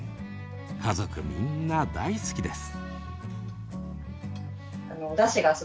家族みんな大好きです。